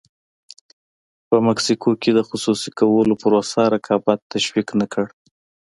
په مکسیکو کې د خصوصي کولو پروسه رقابت تشویق نه کړ.